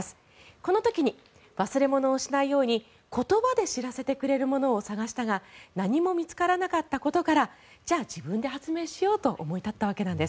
この時に忘れ物をしないように言葉で知らせてくれるものを探したが何も見つからなかったことからじゃあ自分で発明しようと思い立ったわけです。